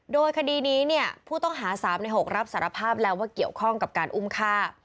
โดยคดีนี้เนี่ยผู้ต้องหา๓ใน๖รับสารภาพแล้วว่าเกี่ยวข้องกับการอุ้มฆ่า